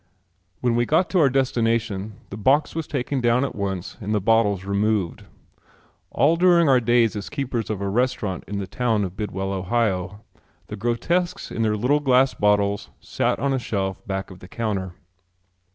When we got to our destination the box was taken down at once and the bottles removed. All during our days as keepers of a restaurant in the town of Bidwell, Ohio, the grotesques in their little glass bottles sat on a shelf back of the counter.